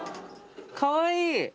かわいい。